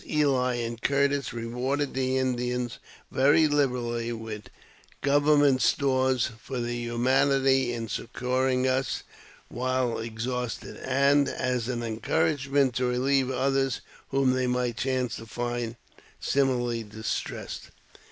Ely and Curtis rewarded the Indians very liberally with government stores for their humanity in succouring us when exhausted, and as an encouragement to relieve others whom they might chance to find similarly distressed.